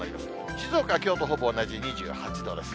静岡はきょうとほぼ同じ２８度です。